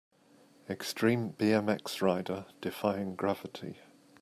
Extreme BMX rider defying gravity